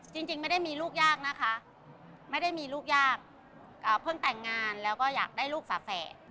จริงไม่ได้มีลูกยากนะคะไม่ได้มีลูกยากเพิ่งแต่งงานแล้วก็อยากได้ลูกฝาแฝด